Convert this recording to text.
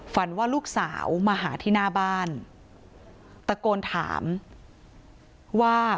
ว่าลูกสาวมาหาที่หน้าบ้านตะโกนถามว่า